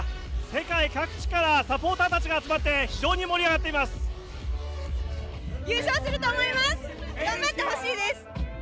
世界各地からサポーターたちが集まって非常に盛り上がってます。